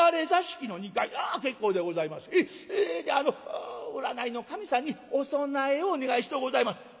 であの占いの神さんにお供えをお願いしとうございます」。